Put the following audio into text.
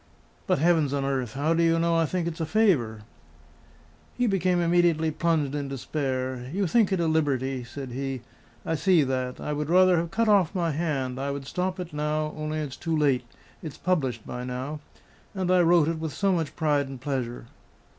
"But, heavens and earth! how do you know I think it a favour?" I cried. He became immediately plunged in despair. "You think it a liberty," said he; "I see that. I would rather have cut off my hand. I would stop it now, only it's too late; it's published by now. And I wrote it with so much pride and pleasure!"